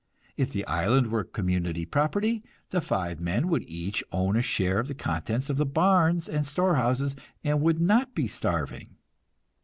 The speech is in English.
If the island were community property, the five men would each own a share of the contents of the barns and storehouses, and would not be starving.